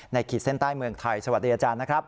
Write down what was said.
ขีดเส้นใต้เมืองไทยสวัสดีอาจารย์นะครับ